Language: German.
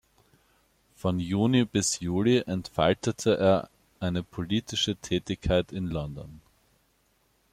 Von Juni bis Juli entfaltete er eine politische Tätigkeit in London.